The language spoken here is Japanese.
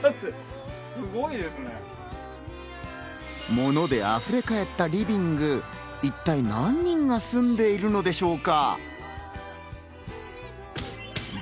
物で溢れかえったリビング、一体、何人が住んでいるのでしょうか？